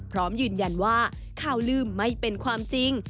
พร้อมยืนยันว่าข่าวลืมไม่เป็นความจริง